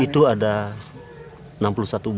itu ada enam puluh satu